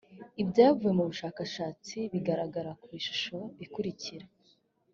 ibyavuye mu bushakashatsi bigaragara ku ishusho ikurikira: